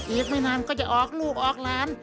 อีกไม่นานก็จะออกลูกออกหลาน